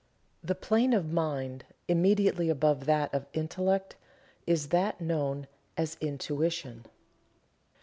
The plane of mind immediately above that of Intellect is that known as Intuition.